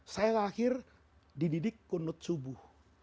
saya lahir dididik kunud subuh